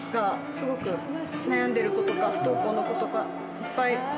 すごく悩んでる子とか不登校の子とかいっぱい